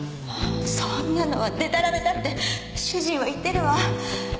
そんなのはデタラメだって主人は言ってるわ。